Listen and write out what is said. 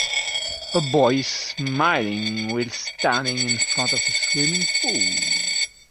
A boy is smiling whilst standing in front of a swimming pool.